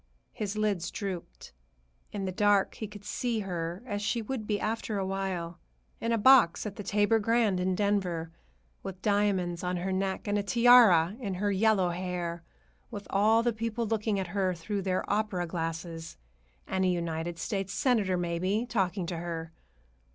His lids drooped. In the dark he could see her as she would be after a while; in a box at the Tabor Grand in Denver, with diamonds on her neck and a tiara in her yellow hair, with all the people looking at her through their opera glasses, and a United States Senator, maybe, talking to her.